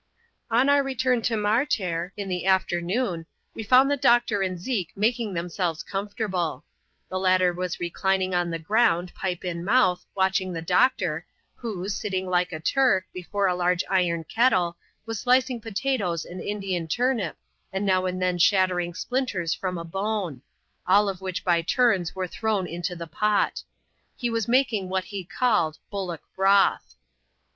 On our return to Martair, in the afternoon, we found the doctor and Zeke making themselves comfortable. The latter was reclining on the ground, pipe in mouth, watching the doctor, who, sitting like a Turk, before a large iron kellVi, "v^a ^<sa^% potatoes and Indian turnip, and now andt\ieiid:AX\<^T\Tk<^^5^^^s)^^^ 226 ADVENTURES IN THE SOUTH SEAS. [chaf. LTm. from a bone ; all of which, by tunis, were thrown into the pot He was making what he called " bullock broth."